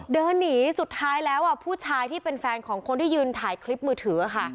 เดินหนีสุดท้ายแล้วผู้ชายที่เป็นแฟนของคนที่ยืนถ่ายคลิปมือถือค่ะ